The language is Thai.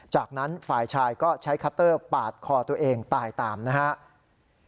จากนั้นฝ่ายชายก็ใช้คัตเตอร์ปาดคอตัวเองตายตามนะครับ